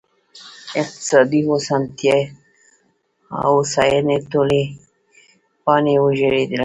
اقتصادي هوساینې ټولې پاڼې ورژېدې